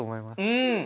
うん。